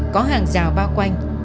có hàng rào bao quanh